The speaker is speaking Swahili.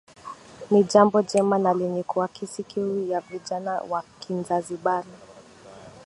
Ni jambo jema na lenye kuakisi kiu ya vijana wa kinzazibari